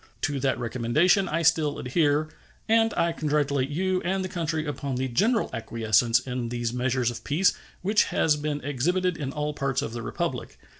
To that recommendation I still adhere, and I congratulate you and the country upon the general acquiescence in these measures of peace which has been exhibited in all parts of the Republic.